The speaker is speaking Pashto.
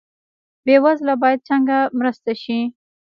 بې وزله باید څنګه مرسته شي؟